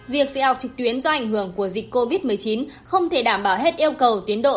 việc dạy học trực tuyến do ảnh hưởng của dịch covid một mươi chín không thể đảm bảo hết yêu cầu tiến độ